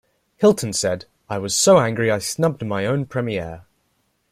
Hilton said, I was so angry I snubbed my own premiere.